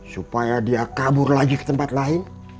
supaya dia kabur lagi ke tempat lain